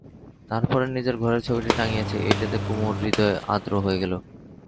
তার পরে নিজের ঘরে ছবিটি টাঙিয়েছে, এইটেতে কুমুর হৃদয় আর্দ্র হয়ে গেল।